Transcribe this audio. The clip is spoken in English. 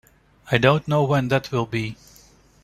I don't know when that will be.